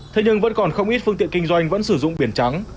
thế nhưng vẫn còn không ít phương tiện kinh doanh vẫn sử dụng biển trắng